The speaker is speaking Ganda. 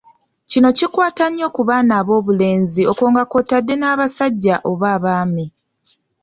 Kino kikwata nnyo ku baana ab’obulenzi okwo nga kw’otadde n’abasajja oba abaami.